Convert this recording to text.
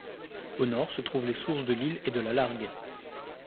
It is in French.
Au nord se trouvent les sources de l'Ill et de la Largue.